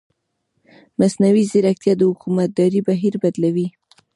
مصنوعي ځیرکتیا د حکومتدارۍ بهیر بدلوي.